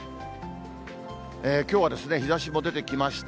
きょうは日ざしも出てきました。